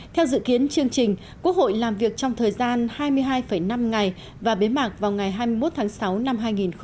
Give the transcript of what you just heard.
theo dự kiến chương trình quốc hội làm việc trong thời gian hai mươi hai năm ngày và bế mạc vào ngày hai mươi một tháng sáu năm hai nghìn hai mươi